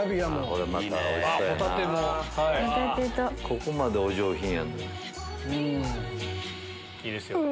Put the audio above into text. ここまでお上品やねん。